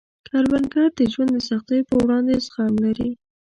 کروندګر د ژوند د سختیو په وړاندې زغم لري